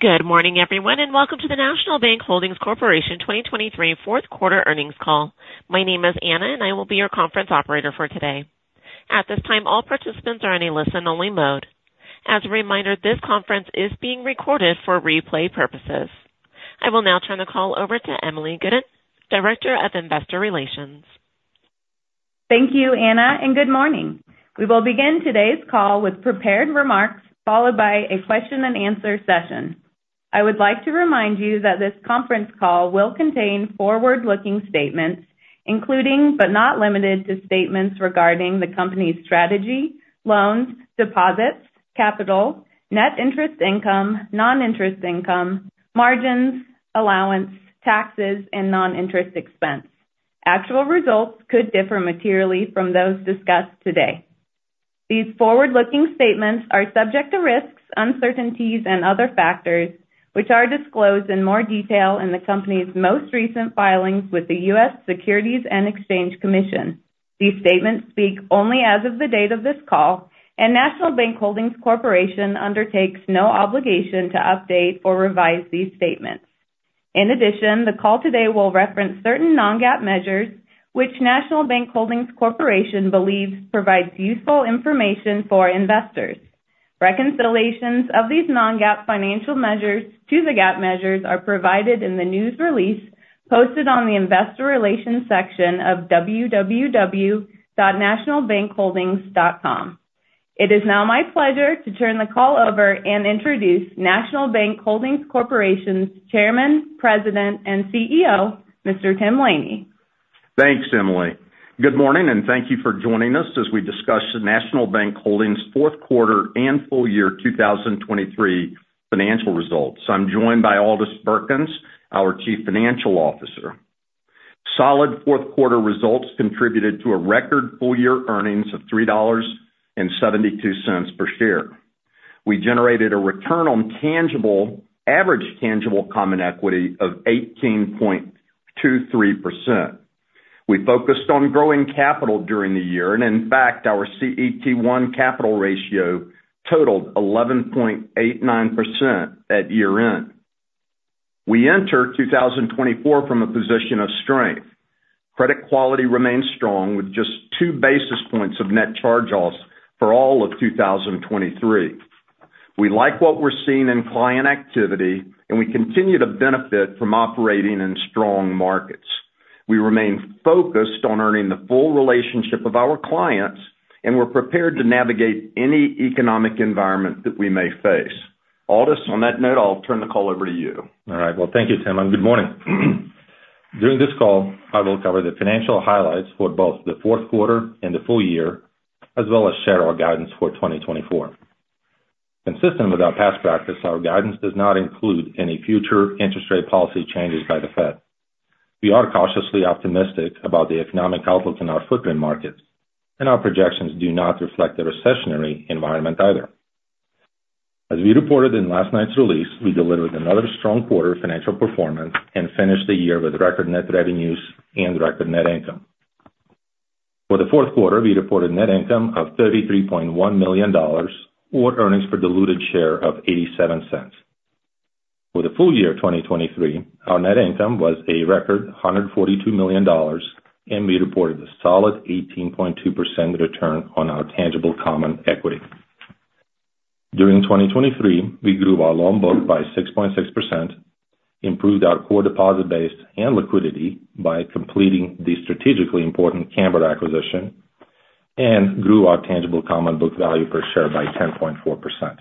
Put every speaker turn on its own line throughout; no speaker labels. Good morning, everyone, and welcome to the National Bank Holdings Corporation 2023 fourth quarter earnings call. My name is Anna, and I will be your conference operator for today. At this time, all participants are in a listen-only mode. As a reminder, this conference is being recorded for replay purposes. I will now turn the call over to Emily Gooden, Director of Investor Relations.
Thank you, Anna, and good morning. We will begin today's call with prepared remarks, followed by a question and answer session. I would like to remind you that this conference call will contain forward-looking statements, including, but not limited to, statements regarding the company's strategy, loans, deposits, capital, net interest income, non-interest income, margins, allowance, taxes, and non-interest expense. Actual results could differ materially from those discussed today. These forward-looking statements are subject to risks, uncertainties, and other factors, which are disclosed in more detail in the company's most recent filings with the U.S. Securities and Exchange Commission. These statements speak only as of the date of this call, and National Bank Holdings Corporation undertakes no obligation to update or revise these statements. In addition, the call today will reference certain non-GAAP measures, which National Bank Holdings Corporation believes provides useful information for investors. Reconciliations of these Non-GAAP financial measures to the GAAP measures are provided in the news release posted on the Investor Relations section of www.nationalbankholdings.com. It is now my pleasure to turn the call over and introduce National Bank Holdings Corporation's Chairman, President, and CEO, Mr. Tim Laney.
Thanks, Emily. Good morning, and thank you for joining us as we discuss the National Bank Holdings fourth quarter and full year 2023 financial results. I'm joined by Aldis Birkans, our Chief Financial Officer. Solid fourth quarter results contributed to a record full-year earnings of $3.72 per share. We generated a return on average tangible common equity of 18.23%. We focused on growing capital during the year, and in fact, our CET1 capital ratio totaled 11.89% at year-end. We enter 2024 from a position of strength. Credit quality remains strong, with just 2 basis points of net charge-offs for all of 2023. We like what we're seeing in client activity, and we continue to benefit from operating in strong markets. We remain focused on earning the full relationship of our clients, and we're prepared to navigate any economic environment that we may face. Aldis, on that note, I'll turn the call over to you.
All right. Well, thank you, Tim, and good morning. During this call, I will cover the financial highlights for both the fourth quarter and the full year, as well as share our guidance for 2024. Consistent with our past practice, our guidance does not include any future interest rate policy changes by the Fed. We are cautiously optimistic about the economic outlook in our footprint markets, and our projections do not reflect the recessionary environment either. As we reported in last night's release, we delivered another strong quarter financial performance and finished the year with record net revenues and record net income. For the fourth quarter, we reported net income of $33.1 million, or earnings per diluted share of $0.87. For the full year of 2023, our net income was a record $142 million, and we reported a solid 18.2% return on our tangible common equity. During 2023, we grew our loan book by 6.6%, improved our core deposit base and liquidity by completing the strategically important Cambr acquisition, and grew our tangible common book value per share by 10.4%.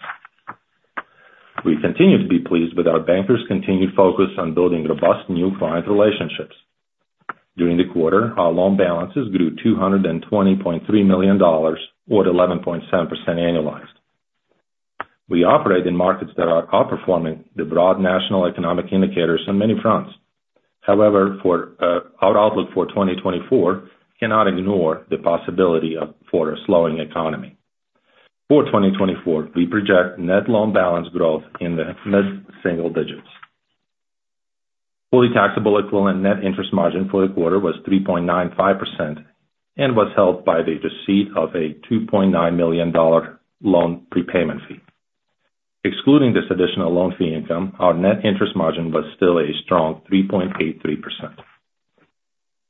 We continue to be pleased with our bankers' continued focus on building robust new client relationships. During the quarter, our loan balances grew $220.3 million, or 11.7% annualized. We operate in markets that are outperforming the broad national economic indicators on many fronts. However, our outlook for 2024 cannot ignore the possibility of a slowing economy. For 2024, we project net loan balance growth in the mid-single digits. Fully taxable equivalent net interest margin for the quarter was 3.95% and was helped by the receipt of a $2.9 million loan prepayment fee. Excluding this additional loan fee income, our net interest margin was still a strong 3.83%.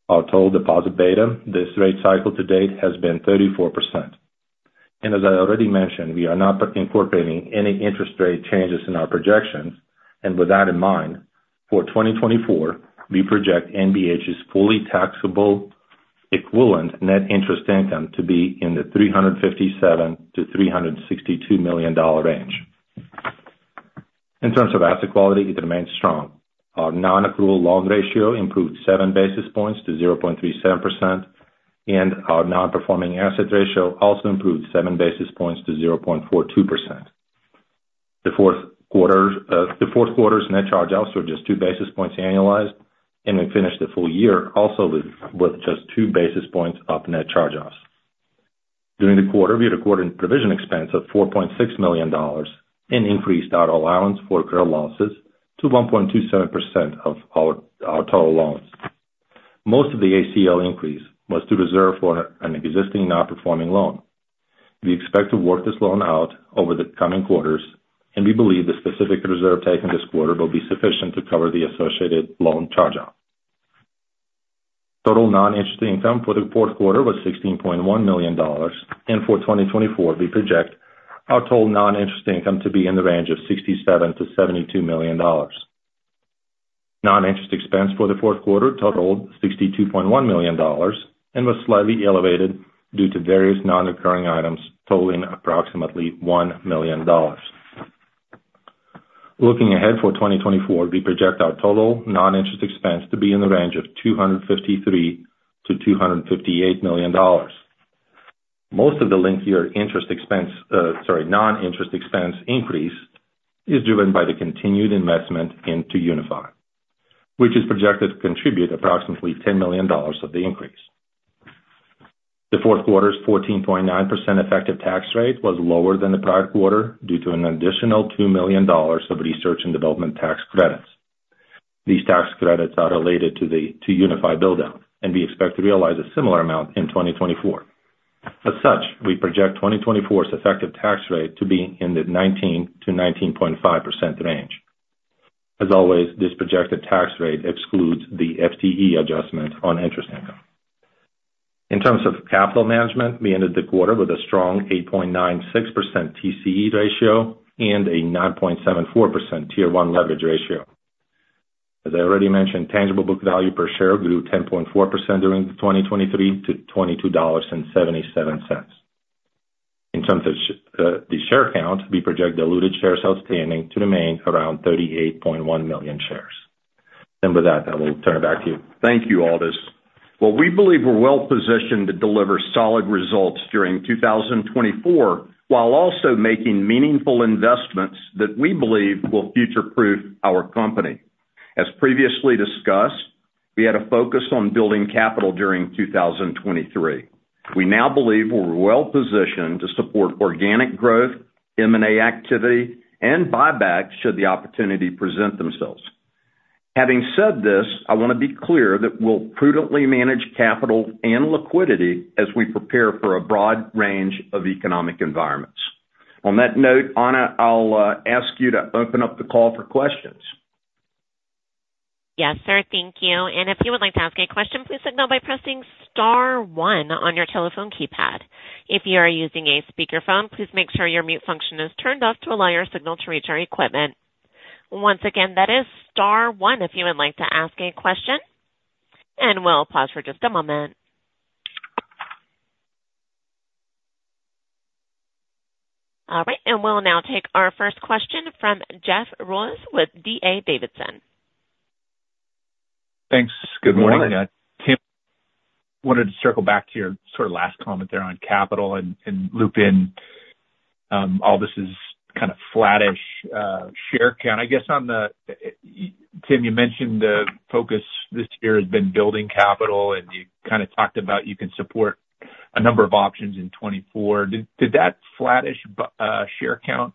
Our total deposit beta this rate cycle to date has been 34%. And as I already mentioned, we are not incorporating any interest rate changes in our projections. And with that in mind, for 2024, we project NBH's fully taxable equivalent net interest income to be in the $357 million-$362 million range. In terms of asset quality, it remains strong. Our non-accrual loan ratio improved seven basis points to 0.37%, and our non-performing asset ratio also improved seven basis points to 0.42%. The fourth quarter's net charge-offs were just two basis points annualized, and we finished the full year also with just two basis points of net charge-offs. During the quarter, we recorded provision expense of $4.6 million and increased our allowance for credit losses to 1.27% of our total loans. Most of the ACL increase was to reserve for an existing nonperforming loan. We expect to work this loan out over the coming quarters, and we believe the specific reserve taken this quarter will be sufficient to cover the associated loan charge-off. Total non-interest income for the fourth quarter was $16.1 million, and for 2024, we project our total non-interest income to be in the range of $67 million-$72 million. Non-interest expense for the fourth quarter totaled $62.1 million and was slightly elevated due to various non-recurring items totaling approximately $1 million. Looking ahead, for 2024, we project our total non-interest expense to be in the range of $253 million-$258 million. Most of the lengthier interest expense, sorry, non-interest expense increase is driven by the continued investment in 2UniFi, which is projected to contribute approximately $10 million of the increase. The fourth quarter's 14.9% effective tax rate was lower than the prior quarter due to an additional $2 million of research and development tax credits. These tax credits are related to the 2UniFi build-out, and we expect to realize a similar amount in 2024. As such, we project 2024's effective tax rate to be in the 19%-19.5% range. As always, this projected tax rate excludes the FTE adjustment on interest income. In terms of capital management, we ended the quarter with a strong 8.96% TCE ratio and a 9.74% Tier 1 leverage ratio. As I already mentioned, tangible book value per share grew 10.4% during the 2023 to $22.77. In terms of the share count, we project the diluted shares outstanding to remain around 38.1 million shares. And with that, I will turn it back to you.
Thank you, Aldis. Well, we believe we're well positioned to deliver solid results during 2024, while also making meaningful investments that we believe will future-proof our company. As previously discussed, we had a focus on building capital during 2023. We now believe we're well positioned to support organic growth, M&A activity, and buybacks, should the opportunity present themselves. Having said this, I wanna be clear that we'll prudently manage capital and liquidity as we prepare for a broad range of economic environments. On that note, Anna, I'll ask you to open up the call for questions.
Yes, sir. Thank you. And if you would like to ask a question, please signal by pressing star one on your telephone keypad. If you are using a speakerphone, please make sure your mute function is turned off to allow your signal to reach our equipment. Once again, that is star one if you would like to ask a question, and we'll pause for just a moment. All right, and we'll now take our first question from Jeff Rulis with D.A. Davidson.
Thanks. Good morning. Tim, wanted to circle back to your sort of last comment there on capital and loop in all this is kind of flattish share count. I guess on the Tim, you mentioned the focus this year has been building capital, and you kind of talked about you can support a number of options in 2024. Did that flattish share count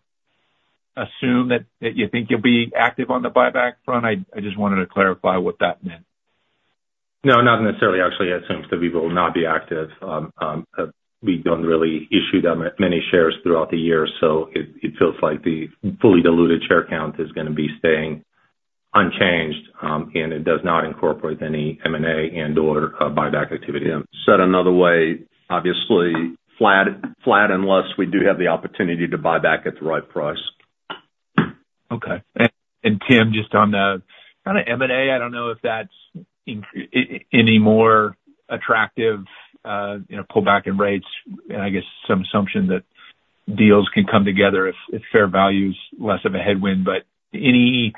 assume that you think you'll be active on the buyback front? I just wanted to clarify what that meant.
No, not necessarily. Actually, it seems that we will not be active. We don't really issue that many shares throughout the year, so it feels like the fully diluted share count is gonna be staying unchanged, and it does not incorporate any M&A and/or buyback activity. Said another way, obviously flat, flat, unless we do have the opportunity to buy back at the right price.
Okay. And Tim, just on the kind of M&A, I don't know if that's increasingly more attractive, you know, pullback in rates, and I guess some assumption that deals can come together if fair value is less of a headwind. But any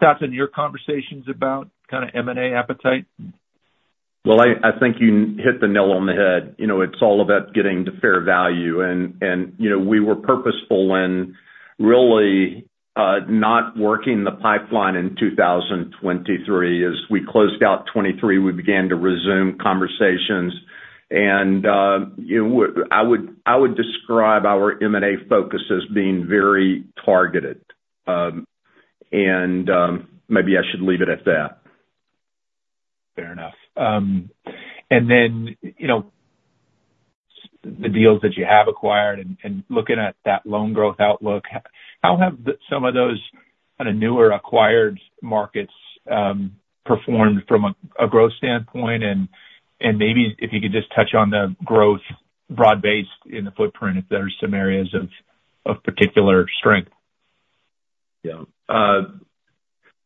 thoughts on your conversations about kind of M&A appetite?
Well, I think you hit the nail on the head. You know, it's all about getting to fair value. And, you know, we were purposeful in really not working the pipeline in 2023. As we closed out 2023, we began to resume conversations, and, you know, I would describe our M&A focus as being very targeted. And, maybe I should leave it at that.
Fair enough. And then, you know, the deals that you have acquired and looking at that loan growth outlook, how have some of those kind of newer acquired markets performed from a growth standpoint? And maybe if you could just touch on the growth broad-based in the footprint, if there are some areas of particular strength.
Yeah.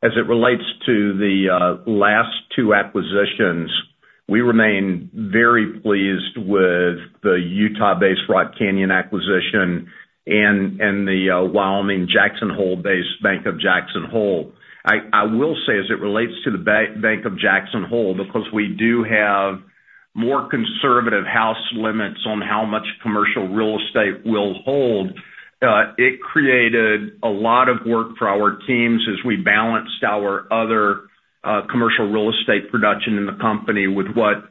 As it relates to the last two acquisitions, we remain very pleased with the Utah-based Rock Canyon Bank acquisition and the Wyoming-based Bank of Jackson Hole. I will say, as it relates to the Bank of Jackson Hole, because we do have more conservative house limits on how much commercial real estate we'll hold, it created a lot of work for our teams as we balanced our other commercial real estate production in the company with what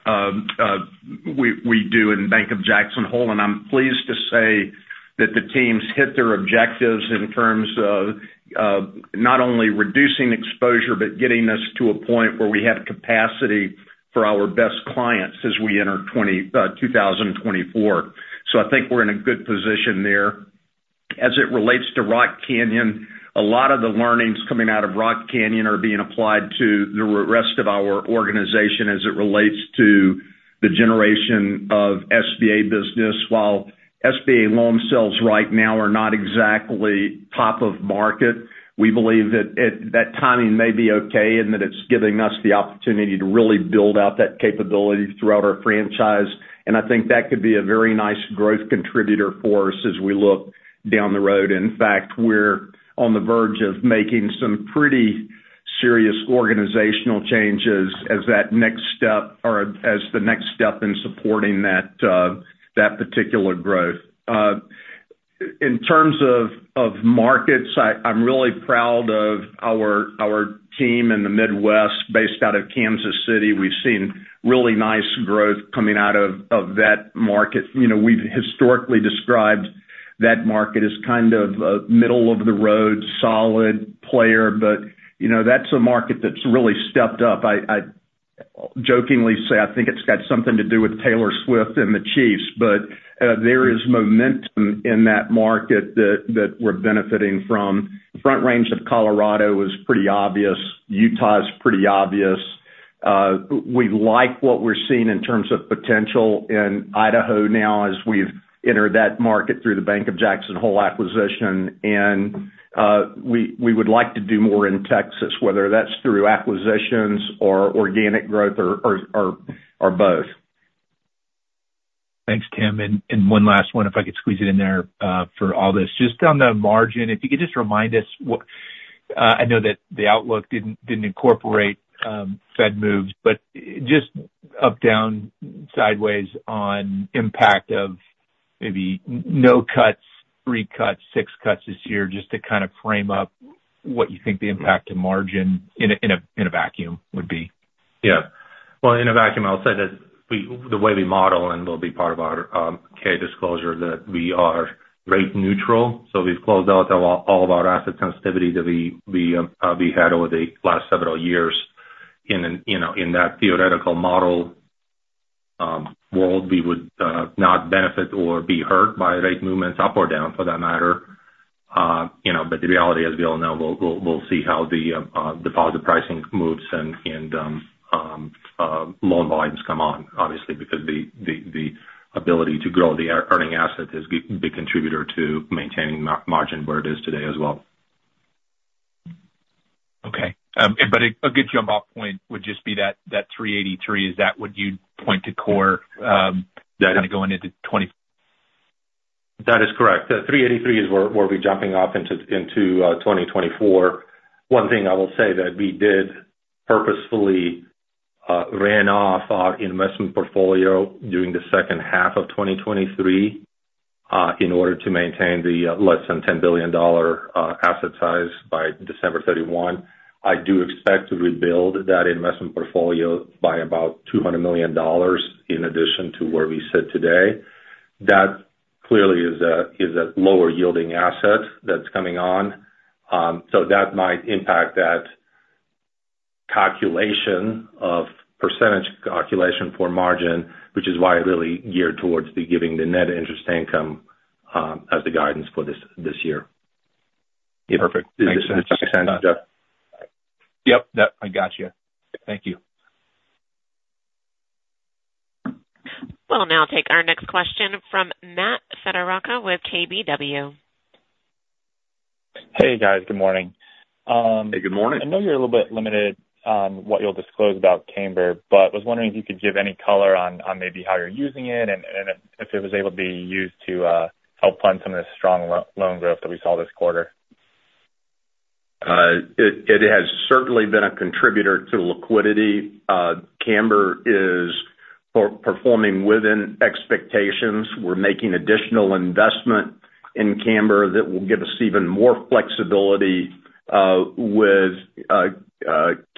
we do in Bank of Jackson Hole, and I'm pleased to say that the teams hit their objectives in terms of not only reducing exposure, but getting us to a point where we have capacity for our best clients as we enter 2024. So I think we're in a good position there. As it relates to Rock Canyon, a lot of the learnings coming out of Rock Canyon are being applied to the rest of our organization as it relates to the generation of SBA business. While SBA loan sales right now are not exactly top of market, we believe that that timing may be okay, and that it's giving us the opportunity to really build out that capability throughout our franchise. And I think that could be a very nice growth contributor for us as we look down the road. In fact, we're on the verge of making some pretty serious organizational changes as that next step or as the next step in supporting that, that particular growth. In terms of markets, I'm really proud of our team in the Midwest, based out of Kansas City. We've seen really nice growth coming out of that market. You know, we've historically described that market as kind of a middle-of-the-road, solid player, but, you know, that's a market that's really stepped up. I jokingly say, I think it's got something to do with Taylor Swift and the Chiefs, but there is momentum in that market that we're benefiting from. Front Range of Colorado is pretty obvious. Utah is pretty obvious. We like what we're seeing in terms of potential in Idaho now, as we've entered that market through the Bank of Jackson Hole acquisition, and we would like to do more in Texas, whether that's through acquisitions or organic growth or both.
Thanks, Tim. And one last one, if I could squeeze it in there, for Aldis. Just on the margin, if you could just remind us what... I know that the outlook didn't incorporate, Fed moves, but just up, down, sideways on impact of maybe no cuts, 3 cuts, 6 cuts this year, just to kind of frame up what you think the impact to margin in a vacuum would be?
Yeah. Well, in a vacuum, I'll say that the way we model and will be part of our K disclosure, that we are rate neutral, so we've closed out all of our asset sensitivity that we had over the last several years. In a theoretical model world, you know, we would not benefit or be hurt by rate movements up or down for that matter. You know, but the reality, as we all know, we'll see how the deposit pricing moves and loan volumes come on, obviously, because the ability to grow the earning asset is a big contributor to maintaining margin where it is today as well.
Okay. But a good jump off point would just be that 383. Is that what you'd point to core?
That-
kind of going into 20-
That is correct. The 383 is where we're jumping off into 2024. One thing I will say that we did purposefully ran off our investment portfolio during the second half of 2023 in order to maintain the less than $10 billion asset size by December 31. I do expect to rebuild that investment portfolio by about $200 million in addition to where we sit today. That clearly is a lower yielding asset that's coming on, so that might impact that calculation of percentage calculation for margin, which is why I really geared towards giving the net interest income as the guidance for this year.
Perfect.
Does this make sense, Jeff?
Yep. Yep, I got you. Thank you.
We'll now take our next question from Kelly Motta with KBW.
Hey, guys. Good morning.
Hey, good morning.
I know you're a little bit limited on what you'll disclose about Cambr, but was wondering if you could give any color on maybe how you're using it and if it was able to be used to help fund some of the strong loan growth that we saw this quarter.
It has certainly been a contributor to liquidity. Cambr is performing within expectations. We're making additional investment in Cambr that will give us even more flexibility with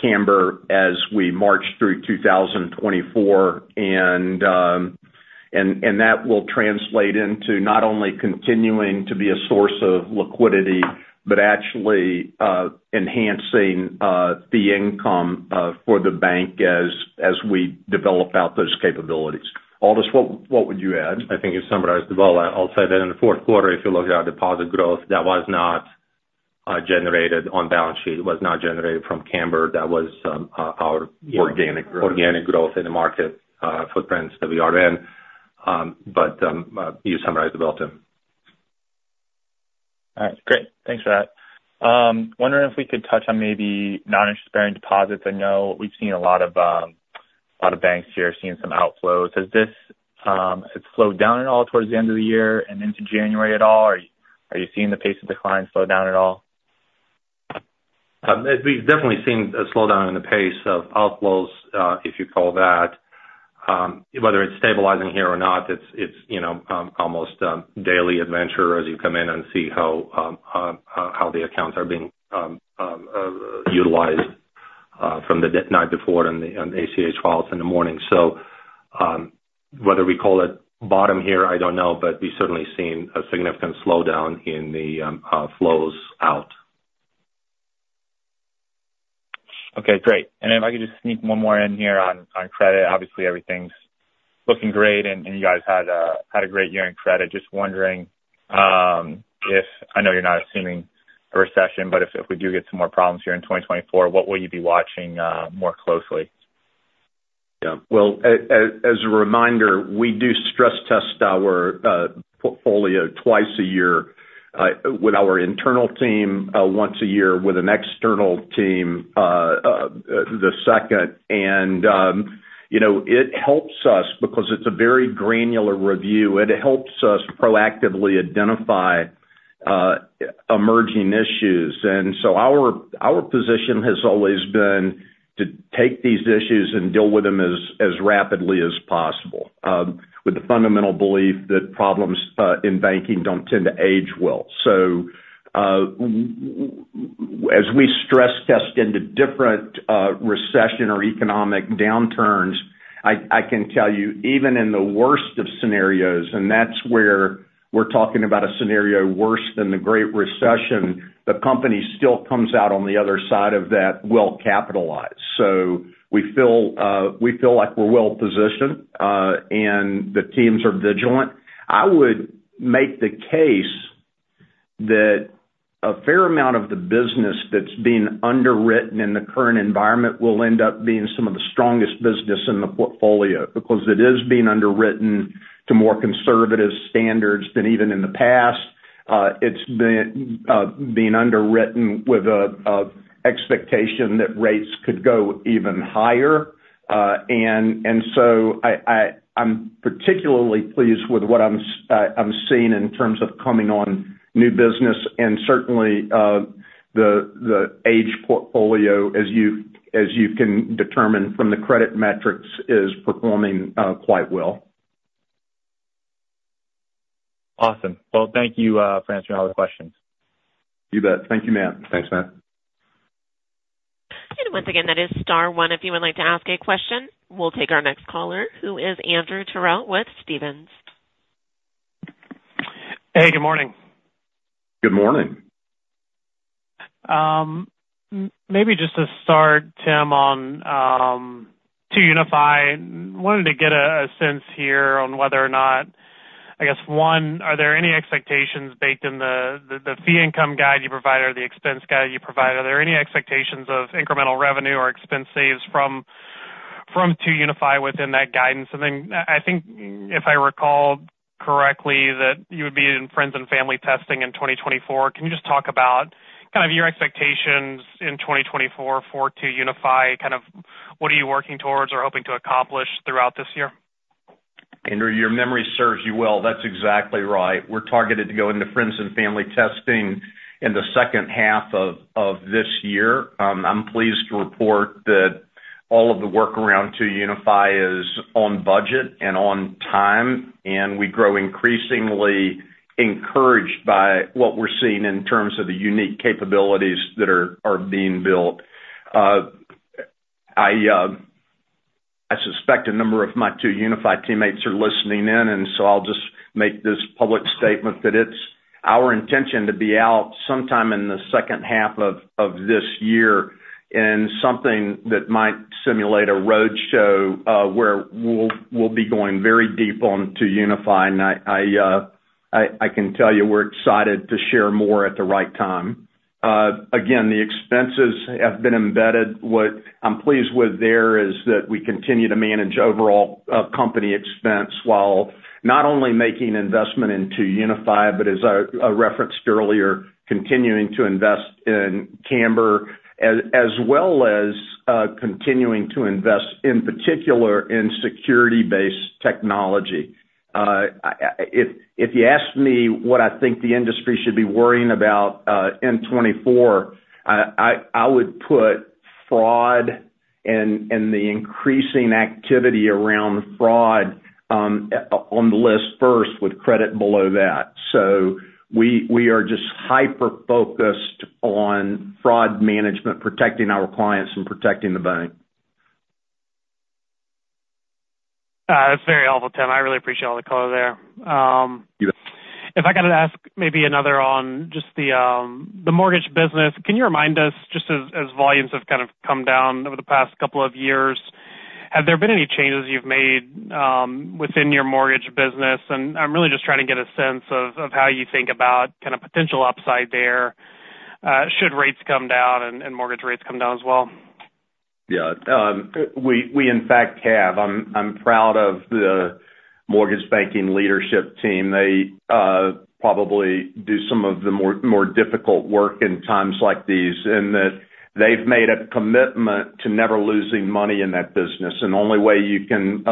Cambr as we march through 2024. And that will translate into not only continuing to be a source of liquidity, but actually enhancing the income for the bank as we develop out those capabilities. Aldis, what would you add?
I think you summarized it well. I'll say that in the fourth quarter, if you look at our deposit growth, that was not generated on balance sheet. It was not generated from Cambr. That was our-
Organic...
organic growth in the market, footprints that we are in. But, you summarized it well, Tim.
All right, great. Thanks for that. Wondering if we could touch on maybe non-interest bearing deposits. I know we've seen a lot of, a lot of banks here seeing some outflows. Has this, it slowed down at all towards the end of the year and into January at all, or are you seeing the pace of decline slow down at all?
We've definitely seen a slowdown in the pace of outflows, if you call that. Whether it's stabilizing here or not, it's, you know, almost daily adventure as you come in and see how the accounts are being utilized.... from the night before and the ACH files in the morning. So, whether we call it bottom here, I don't know, but we've certainly seen a significant slowdown in the flows out.
Okay, great. And if I could just sneak one more in here on credit. Obviously, everything's looking great, and you guys had a great year in credit. Just wondering, if I know you're not assuming a recession, but if we do get some more problems here in 2024, what will you be watching more closely?
Yeah. Well, as a reminder, we do stress test our portfolio twice a year with our internal team once a year with an external team. And, you know, it helps us because it's a very granular review, and it helps us proactively identify emerging issues. And so our position has always been to take these issues and deal with them as rapidly as possible with the fundamental belief that problems in banking don't tend to age well. So, as we stress test into different recession or economic downturns, I can tell you, even in the worst of scenarios, and that's where we're talking about a scenario worse than the Great Recession, the company still comes out on the other side of that well-capitalized. So we feel we feel like we're well positioned, and the teams are vigilant. I would make the case that a fair amount of the business that's being underwritten in the current environment will end up being some of the strongest business in the portfolio because it is being underwritten to more conservative standards than even in the past. It's been being underwritten with a expectation that rates could go even higher. And so I'm particularly pleased with what I'm seeing in terms of coming on new business, and certainly the existing portfolio, as you can determine from the credit metrics, is performing quite well.
Awesome. Well, thank you for answering all the questions.
You bet. Thank you, Matt.
Thanks, Matt.
Once again, that is star one if you would like to ask a question. We'll take our next caller, who is Andrew Terrell with Stephens.
Hey, good morning.
Good morning.
Maybe just to start, Tim, on 2UniFi. Wanted to get a sense here on whether or not, I guess, one, are there any expectations baked in the fee income guide you provided or the expense guide you provided? Are there any expectations of incremental revenue or expense saves from 2UniFi within that guidance? And then I think, if I recall correctly, that you would be in friends and family testing in 2024. Can you just talk about kind of your expectations in 2024 for 2UniFi? Kind of what are you working towards or hoping to accomplish throughout this year?
Andrew, your memory serves you well. That's exactly right. We're targeted to go into friends and family testing in the second half of this year. I'm pleased to report that all of the work around 2UniFi is on budget and on time, and we grow increasingly encouraged by what we're seeing in terms of the unique capabilities that are being built. I suspect a number of my 2UniFi teammates are listening in, and so I'll just make this public statement that it's our intention to be out sometime in the second half of this year in something that might simulate a roadshow, where we'll be going very deep on 2UniFi. And I can tell you, we're excited to share more at the right time. Again, the expenses have been embedded. What I'm pleased with there is that we continue to manage overall company expense, while not only making investment in 2UniFi, but as I referenced earlier, continuing to invest in Cambr, as well as continuing to invest, in particular, in security-based technology. If you ask me what I think the industry should be worrying about in 2024, I would put fraud and the increasing activity around fraud on the list first with credit below that. So we are just hyper-focused on fraud management, protecting our clients and protecting the bank.
That's very helpful, Tim. I really appreciate all the color there.
You bet.
If I could ask maybe another on just the mortgage business. Can you remind us, just as volumes have kind of come down over the past couple of years, have there been any changes you've made within your mortgage business? And I'm really just trying to get a sense of how you think about kind of potential upside there, should rates come down and mortgage rates come down as well.
Yeah. We in fact have. I'm proud of the mortgage banking leadership team. They probably do some of the more difficult work in times like these, in that they've made a commitment to never losing money in that business. And the only way you can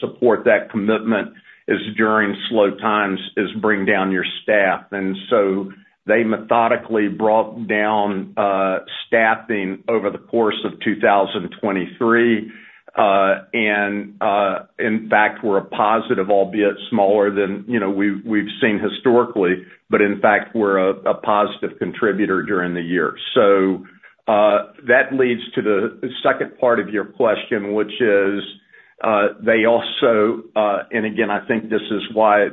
support that commitment is during slow times, bring down your staff. And so they methodically brought down staffing over the course of 2023.... and in fact, we're a positive, albeit smaller than, you know, we've seen historically, but in fact, we're a positive contributor during the year. So, that leads to the second part of your question, which is, they also, and again, I think this is why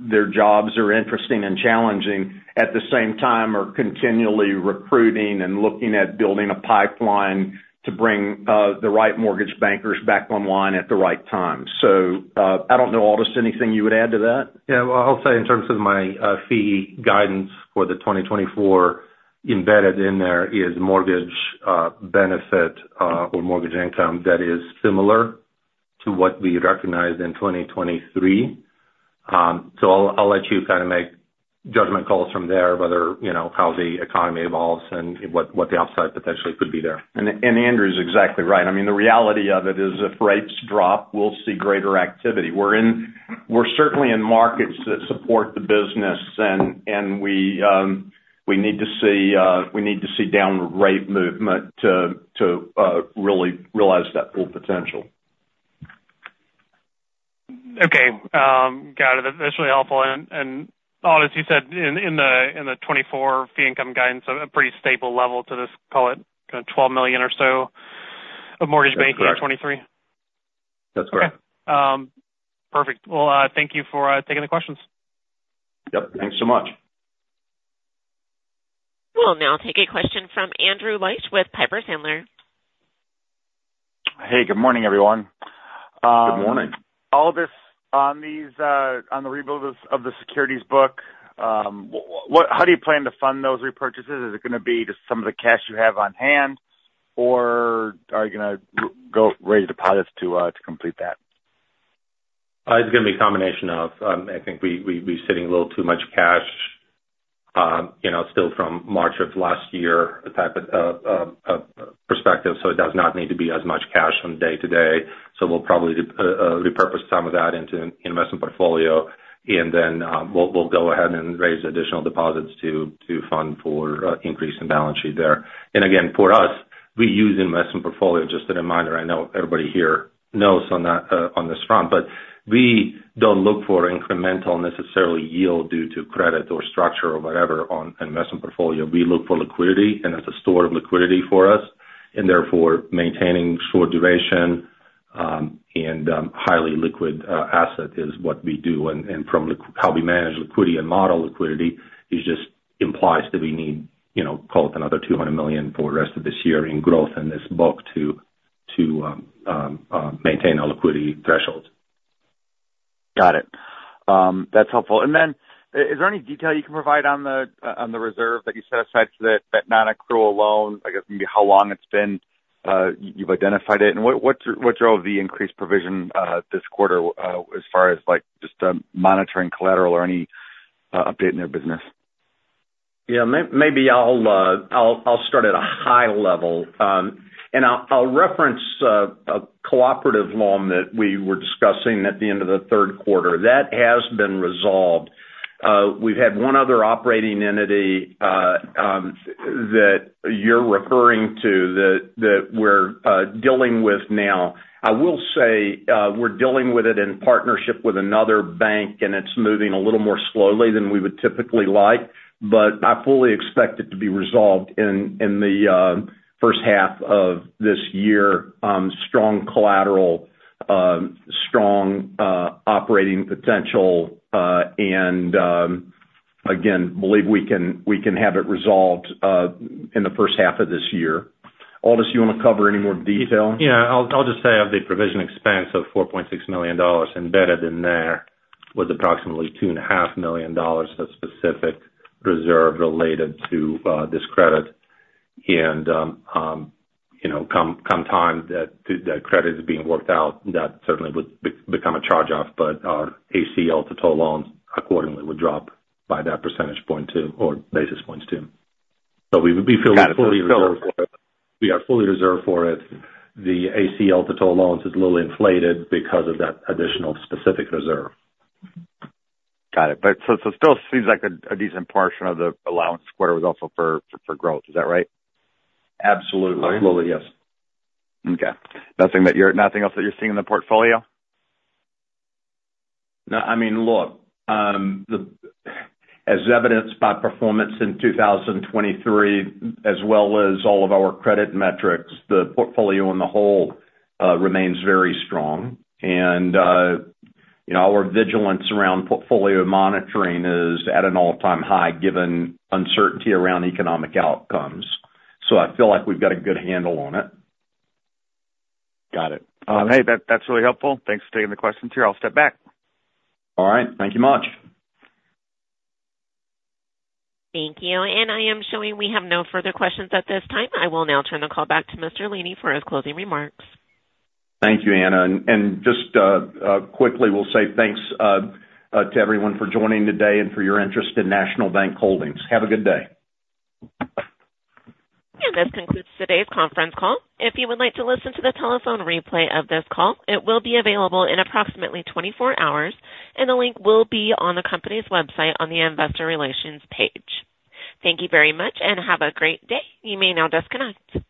their jobs are interesting and challenging, at the same time are continually recruiting and looking at building a pipeline to bring the right mortgage bankers back online at the right time. So, I don't know, Aldis, anything you would add to that?
Yeah, well, I'll say in terms of my fee guidance for 2024, embedded in there is mortgage benefit or mortgage income that is similar to what we recognized in 2023. So I'll let you kind of make judgment calls from there, whether, you know, how the economy evolves and what the upside potentially could be there.
Andrew is exactly right. I mean, the reality of it is, if rates drop, we'll see greater activity. We're certainly in markets that support the business, and we need to see downward rate movement to really realize that full potential.
Okay. Got it. That's really helpful. And, and Aldis, you said in, in the, in the 2024 fee income guidance, a pretty stable level to this, call it kind of $12 million or so of mortgage banking in 2023?
That's correct.
Okay. Perfect. Well, thank you for taking the questions.
Yep. Thanks so much.
We'll now take a question from Andrew Liesch with Piper Sandler.
Hey, good morning, everyone.
Good morning.
Aldis, on these, on the rebuild of the securities book, what—how do you plan to fund those repurchases? Is it gonna be just some of the cash you have on hand, or are you gonna go raise deposits to complete that?
It's gonna be a combination of, I think we, we're sitting a little too much cash, you know, still from March of last year, the type of perspective, so it does not need to be as much cash from day to day. So we'll probably repurpose some of that into investment portfolio, and then, we'll go ahead and raise additional deposits to fund for increase in balance sheet there. And again, for us, we use investment portfolio, just a reminder, I know everybody here knows on that, on this front, but we don't look for incremental necessarily yield due to credit or structure or whatever on investment portfolio. We look for liquidity, and it's a store of liquidity for us, and therefore, maintaining short duration and highly liquid asset is what we do. From how we manage liquidity and model liquidity, it just implies that we need, you know, call it another $200 million for the rest of this year in growth in this book to maintain our liquidity thresholds.
Got it. That's helpful. And then, is there any detail you can provide on the, on the reserve that you set aside for the, that non-accrual loan? I guess, maybe how long it's been, you've identified it, and what, what's, what's your increased provision, this quarter, as far as, like, just, monitoring collateral or any, update in their business?
Yeah, maybe I'll start at a high level. And I'll reference a cooperative loan that we were discussing at the end of the third quarter. That has been resolved. We've had one other operating entity that you're referring to that we're dealing with now. I will say, we're dealing with it in partnership with another bank, and it's moving a little more slowly than we would typically like, but I fully expect it to be resolved in the first half of this year. Strong collateral, strong operating potential, and again, believe we can have it resolved in the first half of this year. Aldis, you want to cover any more detail?
Yeah. I'll just say of the provision expense of $4.6 million, embedded in there was approximately $2.5 million of specific reserve related to this credit. And you know, come time that the credit is being worked out, that certainly would become a charge-off, but our ACL to total loans accordingly would drop by that percentage point 2 or basis points 2. So we would be fully reserved for it. We are fully reserved for it. The ACL to total loans is a little inflated because of that additional specific reserve.
Got it. But still seems like a decent portion of the ACL was also for growth. Is that right?
Absolutely. Absolutely, yes.
Okay. Nothing else that you're seeing in the portfolio?
No, I mean, look, as evidenced by performance in 2023, as well as all of our credit metrics, the portfolio on the whole remains very strong. You know, our vigilance around portfolio monitoring is at an all-time high, given uncertainty around economic outcomes. So I feel like we've got a good handle on it.
Got it. Hey, that's really helpful. Thanks for taking the questions here. I'll step back.
All right. Thank you much.
Thank you. I am showing we have no further questions at this time. I will now turn the call back to Mr. Laney for his closing remarks.
Thank you, Anna. And just quickly, we'll say thanks to everyone for joining today and for your interest in National Bank Holdings. Have a good day.
This concludes today's conference call. If you would like to listen to the telephone replay of this call, it will be available in approximately 24 hours, and the link will be on the company's website on the Investor Relations page. Thank you very much, and have a great day. You may now disconnect.